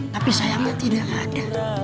tapi sayangnya tidak ada